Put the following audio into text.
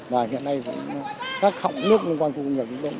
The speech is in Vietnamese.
và hiện nay các họng nước liên quan khu công nghiệp